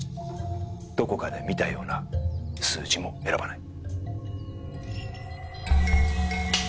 どこかで見たような数字も選ばない。